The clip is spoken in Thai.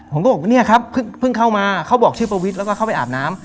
ผมก็บอกว่าเนี่ยครับเพิ่งเข้ามาเขาบอกชื่อประวิทย์แล้วก็เข้าไปอาบน้ำ